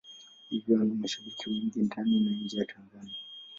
Hivyo ana mashabiki wengi ndani na nje ya Tanzania.